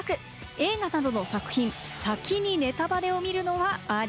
映画などの作品、先にネタバレを見るのは、あり？